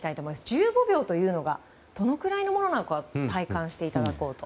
１５秒というのがどのくらいのものなのか体感していただこうと。